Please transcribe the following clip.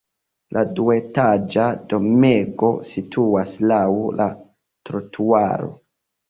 La duetaĝa domego situas laŭ la trotuaro.